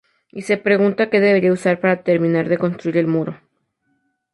Y se pregunta que debería usar para terminar de construir el muro.